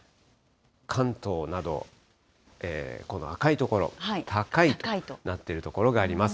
関東など、この赤い所、高いとなっている所があります。